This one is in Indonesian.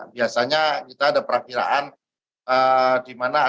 biasanya kita ada perakhiran